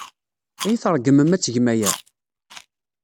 Ad iyi-tṛeggmem ad tgem aya?